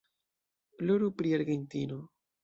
Ploru pri Argentino!